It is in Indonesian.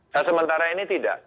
nah sementara ini tidak